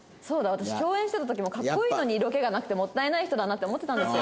私共演してた時もかっこいいのに色気がなくてもったいない人だなって思ってたんですよ。